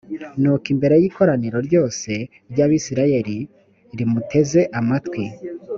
nuko imbere y’ikoraniro ryose ry’abayisraheli rimuteze amatwi,